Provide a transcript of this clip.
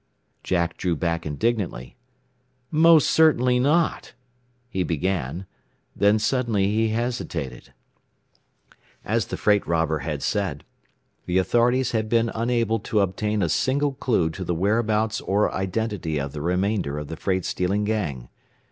Jack drew back indignantly. "Most certainly not," he began. Then suddenly he hesitated. As the freight robber had said, the authorities had been unable to obtain a single clue to the whereabouts or identity of the remainder of the freight stealing gang.